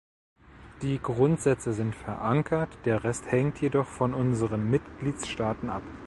Die Grundsätze sind verankert, der Rest hängt jedoch von unseren Mitgliedstaaten ab.